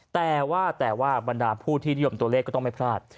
แต่ว่าแต่ว่าบรรดาผู้ที่นิยมตัวเลขก็ต้องไม่พลาด